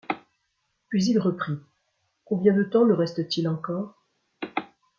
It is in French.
Puis il reprit :— Combien de temps nous reste-t-il encore ?